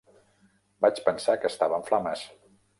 Vaig pensar que estava en flames!